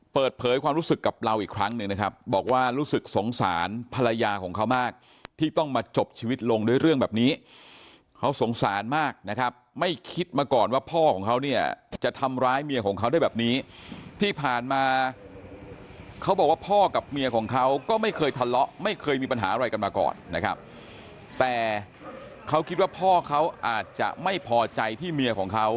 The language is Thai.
เปิดเผยความรู้สึกกับเราอีกครั้งหนึ่งนะครับบอกว่ารู้สึกสงสารภรรยาของเขามากที่ต้องมาจบชีวิตลงด้วยเรื่องแบบนี้เขาสงสารมากนะครับไม่คิดมาก่อนว่าพ่อของเขาเนี่ยจะทำร้ายเมียของเขาได้แบบนี้ที่ผ่านมาเขาบอกว่าพ่อกับเมียของเขาก็ไม่เคยทะเลาะไม่เคยมีปัญหาอะไรกันมาก่อนนะครับแต่เขาคิดว่าพ่อเขาอาจจะไม่พอใจที่เมียของเขา